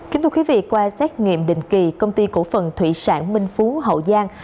kính thưa quý vị qua xét nghiệm định kỳ công ty cổ phần thủy sản minh phú hậu giang